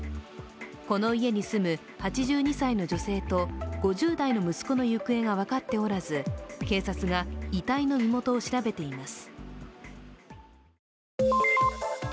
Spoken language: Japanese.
この家に住む８２歳の女性と５０代の息子の行方が分かっておらず、警察が遺体の身元を調べています。